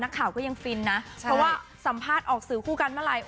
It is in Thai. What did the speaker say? ข่าวก็ยังฟินนะเพราะว่าสัมภาษณ์ออกสื่อคู่กันเมื่อไหร่